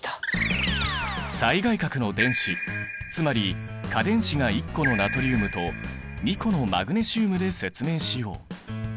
最外殻の電子つまり価電子が１個のナトリウムと２個のマグネシウムで説明しよう。